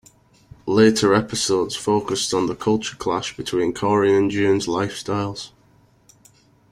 Later episodes focused on the culture clash between Corey and June's lifestyles.